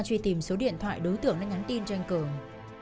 truy tìm số điện thoại đối tượng đã nhắn tin cho anh cường